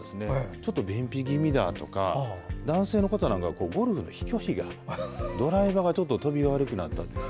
ちょっと便秘気味だとか男性の方なんかはゴルフの飛距離が、ドライバーがちょっと飛びが悪くなったとか。